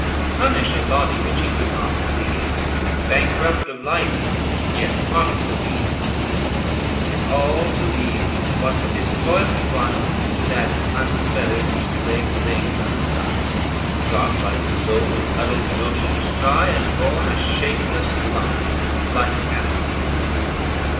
Punish a body which he could not please, Bankrupt of life, yet prodigal of ease ? And all to leave what with his toil he won To that unfeathered two legged thing, a son, 170 Got, while his soul did huddled notions try, \V And born a shapeless lump, like anarchy.